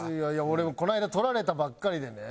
俺この間撮られたばっかりでね。